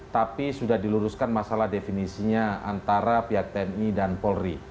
tapi sudah diluruskan masalah definisinya antara pihak tni dan polri